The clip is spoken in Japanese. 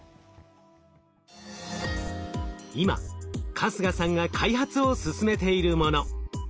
今春日さんが開発を進めているもの。